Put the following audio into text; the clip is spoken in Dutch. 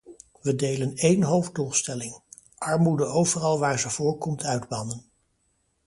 We delen één hoofddoelstelling: armoede overal waar ze voorkomt uitbannen.